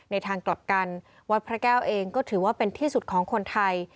ในทางกลับกันวัดพระแก้วเองก็ถือว่าเป็นที่สุดของคนไทย